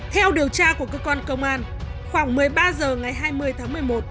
theo điều tra của cơ quan công an khoảng một mươi ba h ngày hai mươi tháng một mươi một